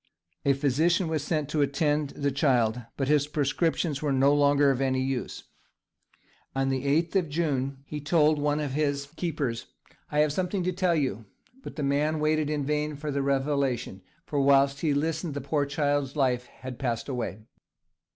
A physician was sent to attend on the child, but his prescriptions were no longer of any use. On the 8th of June he told one of his keepers, "I have something to tell you!" but the man waited in vain for the revelation, for whilst he listened the poor child's life had passed away.